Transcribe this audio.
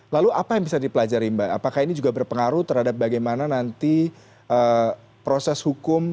lalu apa yang bisa dipelajari mbak apakah ini juga berpengaruh terhadap bagaimana nanti proses hukum